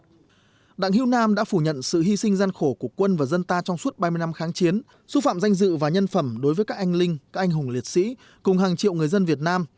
trong bài giao giảng này đảng hiễu nam đã phủ nhận sự hy sinh gian khổ của quân và dân ta trong suốt ba mươi năm kháng chiến xúc phạm danh dự và nhân phẩm đối với các anh linh các anh hùng liệt sĩ cùng hàng triệu người dân việt nam